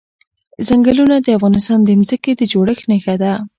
ځنګلونه د افغانستان د ځمکې د جوړښت نښه ده.